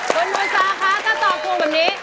คุณมูซาคะถ้าตอบกวงแบบนี้